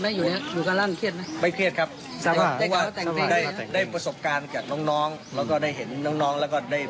เมื่อกี้ได้แต่งเพลงได้ได้เพลงอันที่๑๐